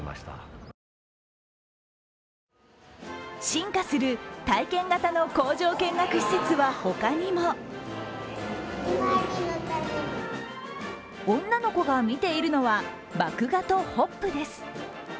進化する体験型の工場見学施設は他にも女の子が見ているのは麦芽とホップです。